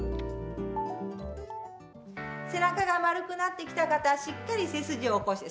背中が丸くなってきた方しっかり背筋を起こして。